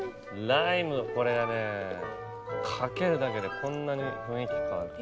ライムがこれがねかけるだけでこんなに雰囲気変わる。